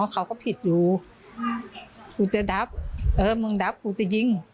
เขาก็ผิดอยู่กูจะดับเออมึงดับกูจะยิง